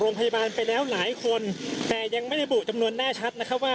โรงพยาบาลไปแล้วหลายคนแต่ยังไม่ได้บุจำนวนแน่ชัดนะคะว่า